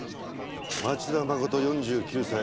町田誠４９歳。